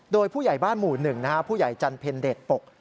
โดยผู้ใหญ่บ้านหมู่หนึ่งนะครับผู้ใหญ่จันเพ็ญเดชปก